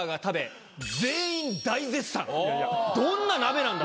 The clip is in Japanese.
どんな鍋なんだと。